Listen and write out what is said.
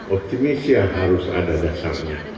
optimis ya harus ada dasarnya